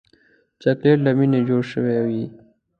چاکلېټ له مینې جوړ شوی وي.